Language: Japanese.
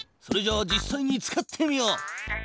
それじゃあ実さいに使ってみよう。